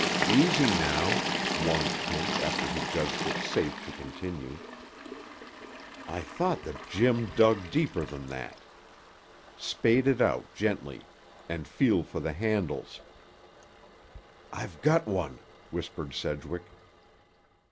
"Easy now," warned Kent, after he judged it safe to continue. "I thought that Jim dug deeper than that. Spade it out gently. And feel for the handles." "I've got one," whispered Sedgwick.